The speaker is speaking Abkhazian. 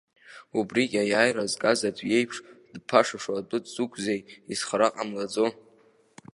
Убрыгь аиааира згаз аӡә иеиԥш, дԥашашо адәы дзықәузеи, изхара ҟамлаӡо?!